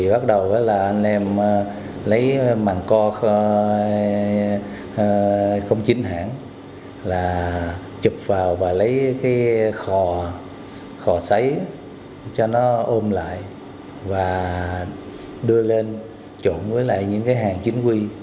bắt đầu là anh em lấy màng co không chính hãng chụp vào và lấy khò xáy cho nó ôm lại và đưa lên trộn với những hàng chính quy